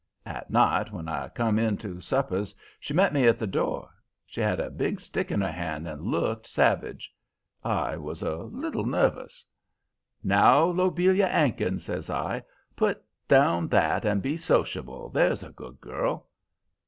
At night, when I come in to suppers she met me at the door. She had a big stick in her hand and looked savage. I was a little nervous. "'Now, Lobelia 'Ankins,' says I, 'put down that and be sociable, there's a good girl.'